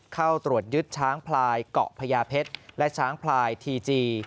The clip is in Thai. เข้าตรวจยึดช้างพลายเกาะพญาเพชรและช้างพลายทีจี